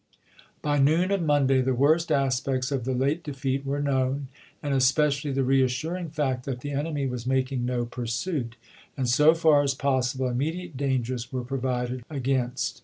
By noon of Monday the worst aspects of the late defeat were known ; and especially the reassuring fact that the enemy was making no pursuit ; and so far as possible immediate dangers were provided BULL RUN 357 « against.